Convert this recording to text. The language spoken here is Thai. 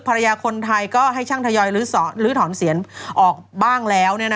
ภรรยาคนไทยก็ให้ช่างทยอยลื้อถอนเสียงออกบ้างแล้ว